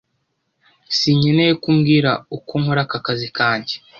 Sinkeneye ko umbwira uko nkora akazi kanjye.